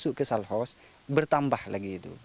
masuk ke sall house bertambah lagi itu